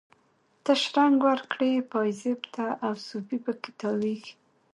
ته شرنګ ورکړي پایزیب ته، او صوفي په کې تاویږي